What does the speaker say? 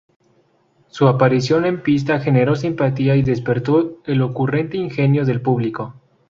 Su aparición en pista generó simpatía y despertó el ocurrente ingenio del público.